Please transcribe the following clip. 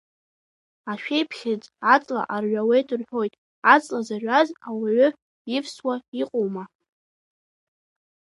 Ашәиԥхьыӡ аҵла арҩауеит рҳәоит, аҵла зырҩаз ауаҩы ивсуа иҟоума!